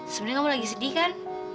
sebenernya kamu sedih kan